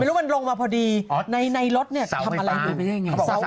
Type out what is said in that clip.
ไม่รู้มันลงมาพอดีในรถทำอะไรหรือเปล่า